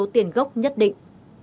tiền gốc nhất định